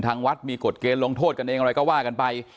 ทางวัดมีกฎเกณฑ์ลงโทษกันเองอะไรก็ว่ากันไป